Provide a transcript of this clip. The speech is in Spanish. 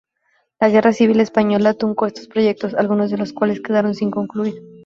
La Guerra Civil Española truncó estos proyectos, algunos de los cuales quedaron sin concluir.